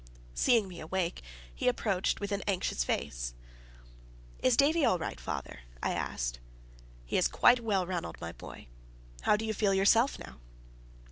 Seeing me awake, he approached with an anxious face. "Is Davie all right, father?" I asked. "He is quite well, Ranald, my boy. How do you feel yourself now?"